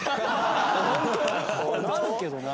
なるけどな。